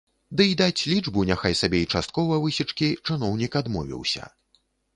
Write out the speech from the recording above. Ды й даць лічбу няхай сабе і часткова высечкі чыноўнік адмовіўся.